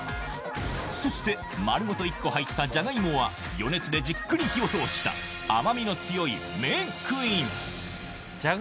そして丸ごと１個入ったじゃがいもは余熱でじっくり火を通したっていうね。